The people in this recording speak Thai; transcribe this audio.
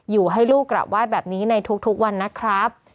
อยู่ให้ลูกกลับไหว้แบบนี้ในทุกวันนะครับ